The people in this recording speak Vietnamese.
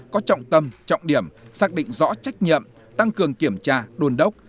có trọng tâm trọng điểm xác định rõ trách nhiệm tăng cường kiểm tra đôn đốc